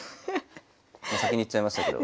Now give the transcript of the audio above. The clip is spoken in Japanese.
先に言っちゃいましたけど。